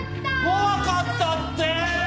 怖かったって！